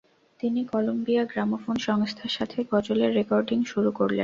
তিনি Columbia gramophone সংস্থার সাথে গজলের রেকর্ডিং শুরু করলেন।